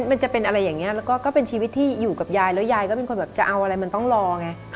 มันจะเป็นอะไรอย่างนี้แล้วก็เป็นชีวิตที่อยู่กับยายแล้วยายก็เป็นคนแบบจะเอาอะไรมันต้องรอไง